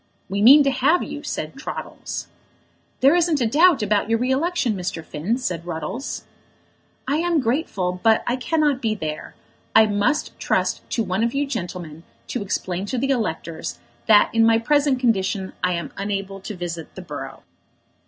"We mean to have you," said Troddles. "There isn't a doubt about your re election, Mr. Finn," said Ruddles. "I am very grateful, but I cannot be there. I must trust to one of you gentlemen to explain to the electors that in my present condition I am unable to visit the borough."